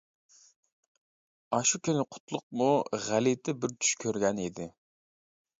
ئاشۇ كۈنى قۇتلۇقمۇ غەلىتە بىر چۈش كۆرگەن ئىدى.